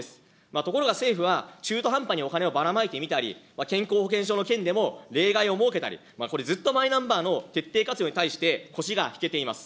ところが政府は、中途半端にお金をばらまいてみたり、健康保険証の件でも例外を設けたり、これずっとマイナンバーの徹底活用に関して、腰が引けています。